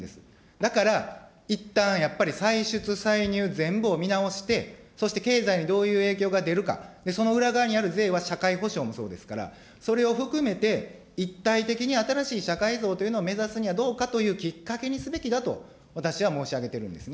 だからいったんやっぱり歳出歳入全部を見直して、そして経済にどういう影響が出るか、その裏側にある税は、社会保障もそうですから、それを含めて、一体的に新しい社会像というのを目指すにはどうかというきっかけにすべきだと私は申し上げてるんですね。